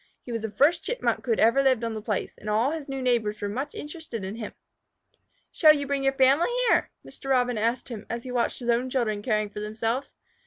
He was the first Chipmunk who had ever lived on the place, and all his new neighbors were much interested in him. "Shall you bring your family here?" Mr. Robin asked him, as he watched his own children caring for themselves. Mr.